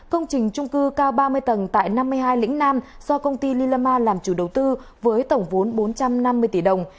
công trình trung cư cao ba mươi tầng tại năm mươi hai lĩnh nam do công ty lilama làm chủ đầu tư với tổng vốn bốn trăm năm mươi tỷ đồng